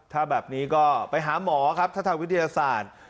ถ้าแบบนี้ก็ไปหาหมอครับถ้าทางวิทยาศาสตร์